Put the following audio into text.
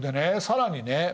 更にね